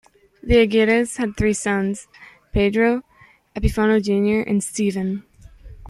The Aguirres had three sons: Pedro, Epifanio Junior and Stephen.